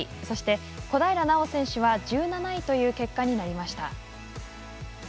そして、小平奈緒選手は１７位という結果になりました。